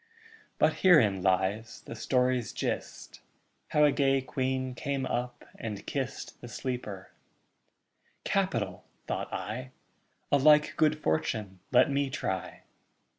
But herein lies the story's gist, How a gay queen came up and kist The sleeper. 'Capital!' thought I. 'A like good fortune let me try.'